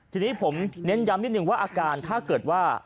ทีนี้ผมเน้นย้ำนิดนึงว่าอาการถ้าเกิดว่า